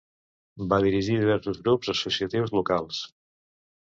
Va dirigir diversos grups associatius locals.